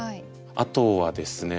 あとはですね